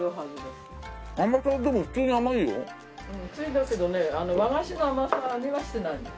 だけどね和菓子の甘さにはしてないの。